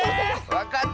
わかった！